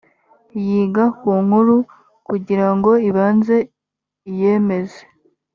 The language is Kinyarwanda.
yiga ku nkuru kugira ngo ibanze iyemeze